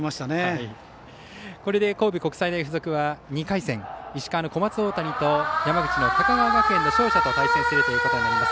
これで、神戸国際大付属は２回戦、石川の小松大谷と山口の高川学園の勝者と対戦することになります。